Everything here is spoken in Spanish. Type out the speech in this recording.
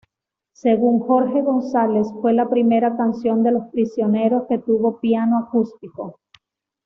Según Jorge González, fue la primera canción de Los Prisioneros que tuvo piano acústico.